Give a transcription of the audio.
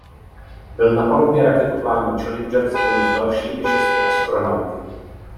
Byl na palubě raketoplánu Challenger spolu s dalšími šesti astronauty.